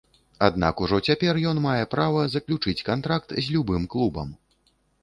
Аднак ужо цяпер ён мае права заключыць кантракт з любым клубам.